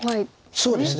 そうですね